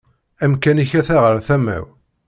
Amkan-ik ata ɣer tama-w